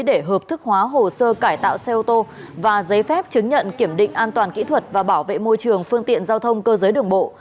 để hợp thức hóa hồ sơ cải tạo xe ô tô và giấy phép chứng nhận kiểm định an toàn kỹ thuật và bảo vệ môi trường phương tiện giao thông cơ giới đường bộ